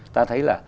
ta thấy là